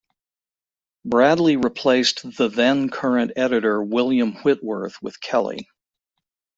Bradley replaced the then current editor William Whitworth with Kelly.